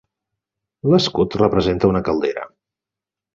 L'escut representa una caldera.